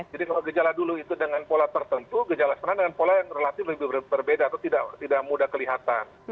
jadi kalau gejala dulu itu dengan pola tertentu gejala sekarang dengan pola yang relatif lebih berbeda atau tidak mudah kelihatan